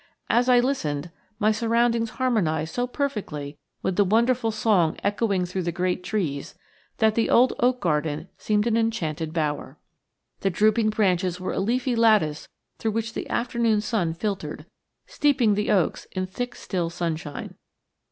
As I listened, my surroundings harmonized so perfectly with the wonderful song echoing through the great trees that the old oak garden seemed an enchanted bower. The drooping branches were a leafy lattice through which the afternoon sun filtered, steeping the oaks in thick still sunshine.